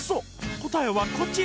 こたえはこちら。